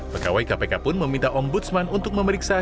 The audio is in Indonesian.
pegawai kpk pun meminta ong budsman untuk memeriksa